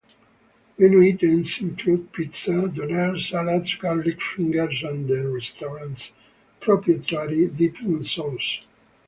Menu items include pizza, donair, salads, garlic fingers, and the restaurant's proprietary dipping sauces.